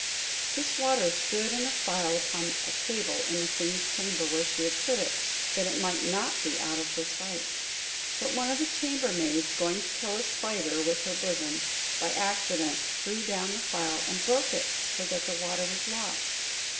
This water stood in a phial upon a table in the queen's chamber, where she had put it, that it might not be out of her sight. But one of the chambermaids going to kill a spider with her besom, by accident threw down the phial, and broke it, so that the water was lost.